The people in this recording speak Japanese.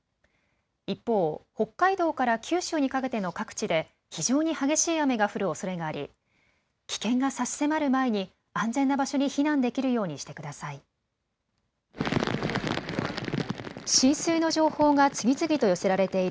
一方、北海道から九州にかけての各地で非常に激しい雨が降るおそれがあり危険が差し迫る前に安全な場所に避難できるようにしてください。